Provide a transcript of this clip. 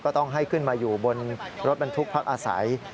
ต้องให้ขึ้นมาอยู่บนรถบรรทุกพักอาศัย